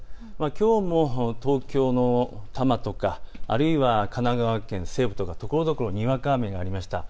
きょうも東京の多摩とかあるいは神奈川県西部とか、ところどころにわか雨がありました。